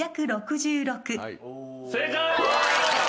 正解！